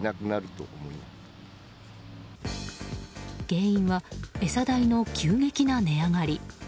原因は餌代の急激な値上がり。